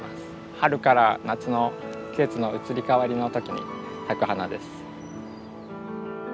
春から夏の季節の移り変わりの時に咲く花です。